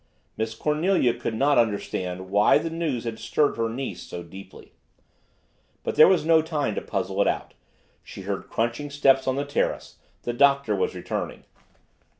Miss Cornelia could not understand why the news had stirred her niece so deeply. But there was no time to puzzle it out, she heard crunching steps on the terrace, the Doctor was returning.